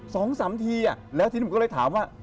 สองสามทีอ่ะแล้วทีนี้ผมก็เลยถามว่า